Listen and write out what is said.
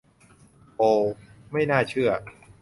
โอว ไม่น่าเชื่อ !